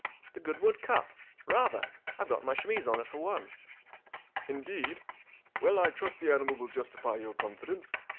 *' The Goodwood Cup, Rather I Tve got my chemise on it for one." " indeed ? Well. I trust the animal will justify your confidence.